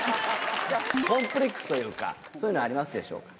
コンプレックスというかそういうのありますでしょうか？